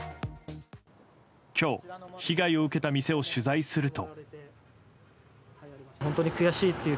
今日、被害を受けた店を取材すると。